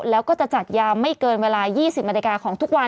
แล้วก็จะจัดยามไม่เกินเวลา๒๐นาฬิกาของทุกวัน